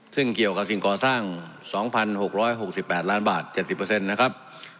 ซึ่งเกี่ยวกับสิ่งก่อสร้าง๒๖๖๘ล้านบาท๗๐นะครับ